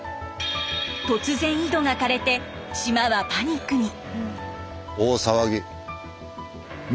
突然井戸がかれて島はパニックに。